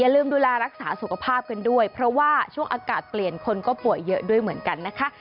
ลืมดูแลรักษาสุขภาพกันด้วยเพราะว่าช่วงอากาศเปลี่ยนคนก็ป่วยเยอะด้วยเหมือนกันนะคะ